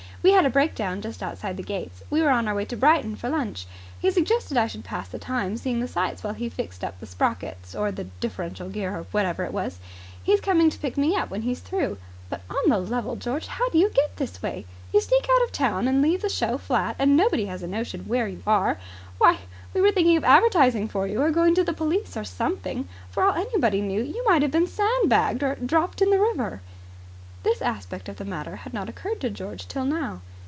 We had a breakdown just outside the gates. We were on our way to Brighton for lunch. He suggested I should pass the time seeing the sights while he fixed up the sprockets or the differential gear or whatever it was. He's coming to pick me up when he's through. But, on the level, George, how do you get this way? You sneak out of town and leave the show flat, and nobody has a notion where you are. Why, we were thinking of advertising for you, or going to the police or something. For all anybody knew, you might have been sandbagged or dropped in the river." This aspect of the matter had not occurred to George till now.